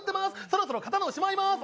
そろそろ刀をしまいます